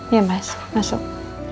iya mas masuk